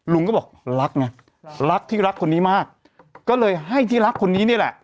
ลุงก็บอกรักไงรักที่รักคนนี้มากก็เลยให้ที่รักคนนี้นี่แหละ